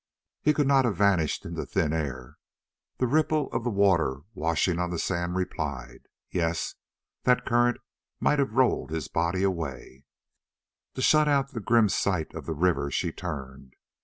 He could not have vanished into thin air. The ripple of the water washing on the sand replied. Yes, that current might have rolled his body away. To shut out the grim sight of the river she turned.